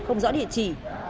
không rõ địa chỉ